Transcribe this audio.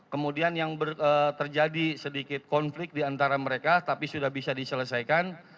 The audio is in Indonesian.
kemudian yang terjadi sedikit konflik di antara mereka tapi sudah bisa diselesaikan